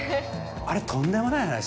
あれとんでもない話。